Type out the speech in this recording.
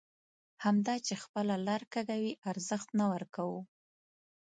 همدا چې خپله لاره کږوي ارزښت نه ورکوو.